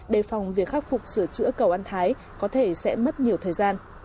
đề phòng việc khắc phục sửa chữa cầu an thái có thể sẽ mất nhiều thời gian